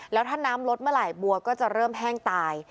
แล้วถ้าน้ำลดเมื่อไหร่บัวก็จะเริ่มแห้งตาย